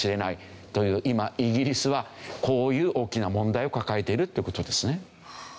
今イギリスはこういう大きな問題を抱えているっていう事ですね。